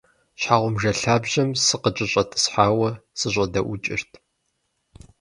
Щхьэгъубжэ лъабжьэм сыкъыкӀэщӀэтӀысхьауэ, сащӏэдэӏукӏырт.